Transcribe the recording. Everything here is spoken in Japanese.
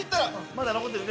まだ残ってる！